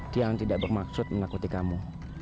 tiang tidak bermaksud menakuti kamu